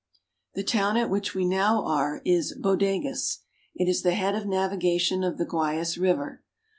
The town at which we now are is Bodegas (bo da'gas). It is the head of navigation of the Guayas river.